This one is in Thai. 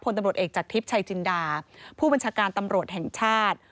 ตำรวจเอกจากทิพย์ชัยจินดาผู้บัญชาการตำรวจแห่งชาติ